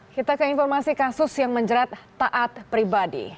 kita ke informasi kasus yang menjerat taat pribadi